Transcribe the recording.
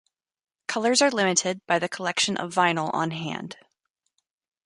Colors are limited by the collection of vinyl on hand.